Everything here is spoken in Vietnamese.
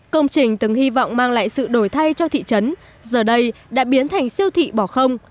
công trình từng hy vọng mang lại sự đổi thay cho thị trấn giờ đây đã biến thành siêu thị bỏ không